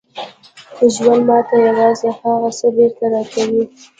ژوند ماته یوازې هغه څه بېرته راکوي